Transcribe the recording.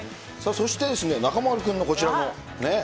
そしてですね、中丸君のこちらの。